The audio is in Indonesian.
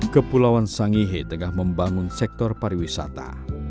kepulauan sangihe tengah membangun sektor pariwisata